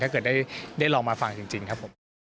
เกิดได้ลองมาฟังจริงครับผม